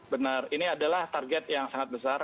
benar ini adalah target yang sangat besar